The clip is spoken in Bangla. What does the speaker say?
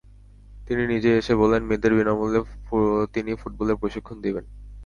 তিনি নিজেই এসে বললেন, মেয়েদের বিনা মূল্যে তিনি ফুটবলের প্রশিক্ষণ দেবেন।